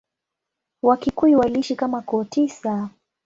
Wakikuyu waliishi kama koo tisa.